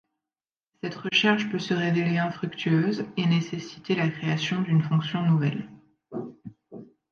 Cette recherche peut se révéler infructueuse et nécessiter la création d'une fonction nouvelle.